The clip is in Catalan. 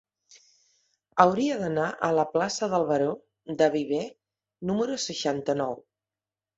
Hauria d'anar a la plaça del Baró de Viver número seixanta-nou.